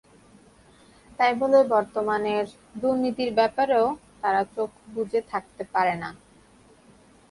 তাই বলে বর্তমানের দুর্নীতির ব্যাপারেও তারা চোখ বুজে থাকতে পারে না।